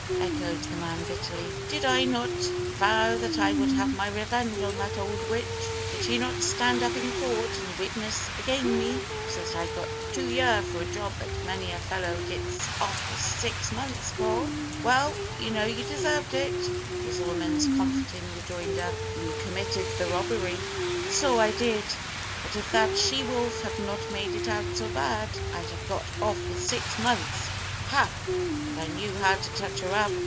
echoed the man, bitterly. "Did I not vow that I would have my revenge on that old witch? Did she not stand up in court and witness again' me, so that I got two year for a job that many a fellow gits off with six months for?" "Well, you know you deserved it!" was the woman's comforting rejoinder. "You committed the robbery." "So I did; but if that she wolf had not made it out so bad, I'd have got off with six months. Ha! but I knew how to touch her up.